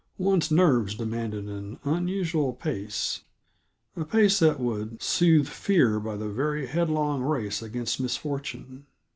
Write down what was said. One's nerves demanded an unusual pace a pace that would soothe fear by its very headlong race against misfortune.